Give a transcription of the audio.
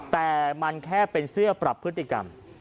แต่มันแค่เป็นเสื้อปรับพฤติกรรม